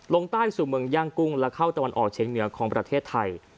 ลงใต้สู่เมืองย่างกุ้งและเข้าตะวันออกเชียงเหนือของประเทศไทย